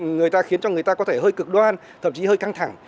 người ta khiến cho người ta có thể hơi cực đoan thậm chí hơi căng thẳng